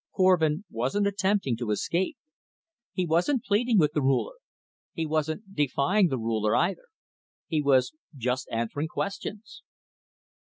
Korvin wasn't attempting to escape. He wasn't pleading with the Ruler. He wasn't defying the Ruler, either. He was just answering questions.